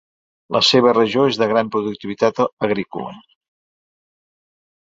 La seva regió és de gran productivitat agrícola.